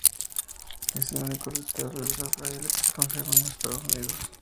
Es el único retablo de Rafael que se conserva en los Estados Unidos.